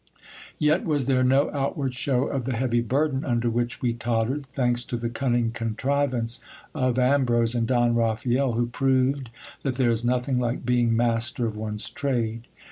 Yet was there no outward shew of the heavy burden under which we tottered ; thanks to the cunning contrivance of Ambrose and Don Raphael, who proved that there is nothing like being master of one's trade.